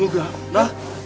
なっ？